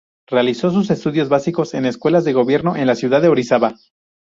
Realizó sus estudios básicos en escuelas de gobierno en la ciudad de Orizaba.